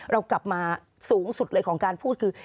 เรากลับมาสูงสุดเลยของการพูดคือ